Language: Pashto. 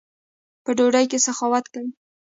په ډوډۍ کښي سخاوت کوئ!